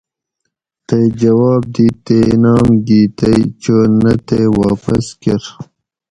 تئ جواب دِیت تے انعام گی تئ چو نہ تے واپس کۤر